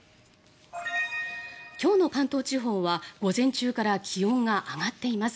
今日の関東地方は午前中から気温が上がっています。